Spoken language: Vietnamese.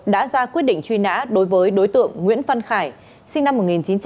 đã ra quyết định truy nã đối với đối tượng nguyễn văn khải sinh năm một nghìn chín trăm tám mươi